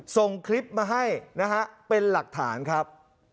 ส่งคลิปมาให้นะฮะเป็นหลักฐานครับ